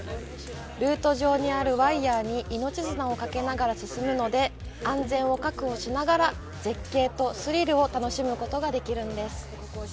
ルート上にあるワイヤーに命綱を掛けながら進むので安全を確保しながら絶景とスリルを楽しむことができるんです。